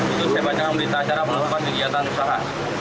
itu saya baca di acara penutupan kegiatan usaha